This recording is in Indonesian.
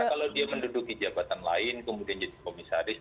karena kalau dia menduduki jabatan lain kemudian jadi komisaris